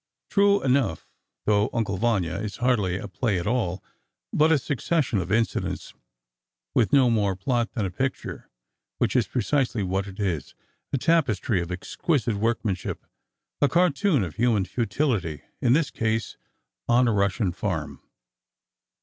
True enough, though "Uncle Vanya" is hardly a play at all, but a succession of incidents with no more plot than a picture, which is precisely what it is—a tapestry of exquisite workmanship, a cartoon of human futility—in this case, on a Russian farm.